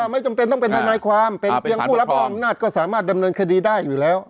ไม่จำเป็นต้องเป็นทนายความเป็นเพียงผู้รับมอบอำนาจก็สามารถดำเนินคดีได้อยู่แล้ว